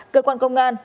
cơ quan công an